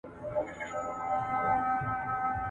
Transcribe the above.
د ډیموکراسۍ لسیزه تر جګړو ډېره زرینه وه.